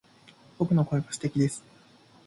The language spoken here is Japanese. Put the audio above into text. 僕の声は素敵です